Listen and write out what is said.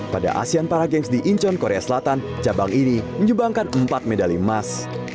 pada asean para games di incheon korea selatan cabang ini menyumbangkan empat medali emas